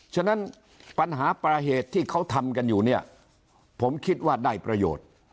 ฉะนั้นปัญหาปลาเหตุที่เขาทำกันอยู่เนี่ยผมคิดว่าได้ประโยชน์